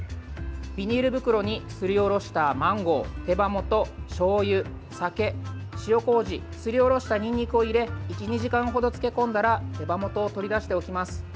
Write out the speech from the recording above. ビニール袋にすりおろしたマンゴー手羽元、しょうゆ、酒、塩こうじすりおろしたにんにくを入れ１２時間ほど漬け込んだら手羽元を取り出しておきます。